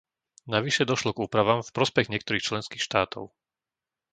Navyše došlo k úpravám v prospech niektorých členských štátov.